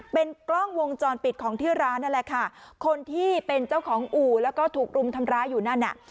เป็นกล้องวงจรปิดของที่ร้านนั่นแหละค่ะคนที่เป็นเจ้าของอู่แล้วก็ถูกรุมทำร้ายอยู่นั่นน่ะ